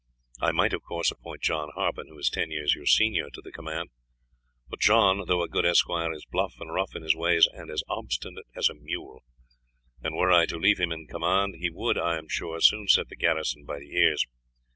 I might, of course, appoint John Harpen, who is ten years your senior, to the command; but John, though a good esquire, is bluff and rough in his ways, and as obstinate as a mule, and were I to leave him in command he would, I am sure, soon set the garrison by the ears.